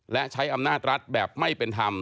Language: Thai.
และใช้อำนาจรัฐแบบไม่เป็นธรรม